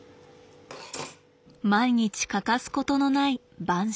毎日欠かすことのない晩酌。